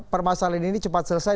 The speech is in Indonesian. permasalahan ini cepat selesai